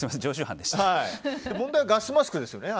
問題はガスマスクですね。